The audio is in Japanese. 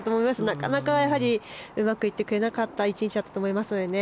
なかなかうまくいってくれなかった１日だったと思いますのでね。